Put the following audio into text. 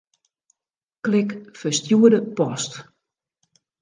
Klik Ferstjoerde post.